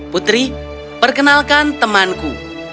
putri perkenalkan temanku